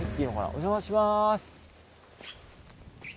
お邪魔します。